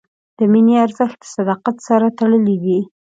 د مینې ارزښت د صداقت سره تړلی دی.